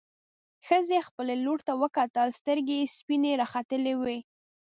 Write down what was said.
ښځې خپلې لور ته وکتل، سترګې يې سپينې راختلې وې.